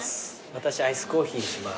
私アイスコーヒーにします。